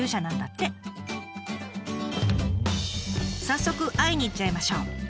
早速会いに行っちゃいましょう。